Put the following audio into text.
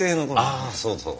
ああそうそう。